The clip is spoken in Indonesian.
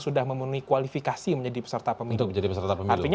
sudah memenuhi kualifikasi menjadi peserta pemilu itu menjadi peserta pemilu ya